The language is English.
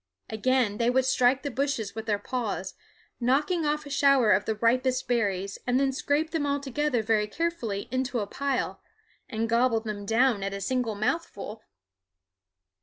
Again they would strike the bushes with their paws, knocking off a shower of the ripest berries, and then scrape them all together very carefully into a pile and gobble them down at a single mouthful.